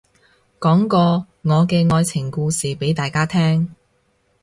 講個我嘅愛情故事俾大家聽